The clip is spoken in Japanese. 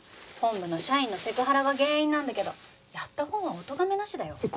本部の社員のセクハラが原因なんだけどやったほうはおとがめなしだよ？